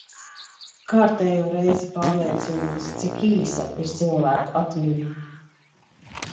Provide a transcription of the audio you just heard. Kārtējo reizi pārliecinos, cik īsa ir cilvēku atmiņa.